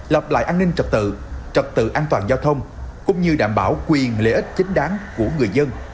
lập lại an ninh trật tự trật tự an toàn giao thông cũng như đảm bảo quyền lợi ích chính đáng của người dân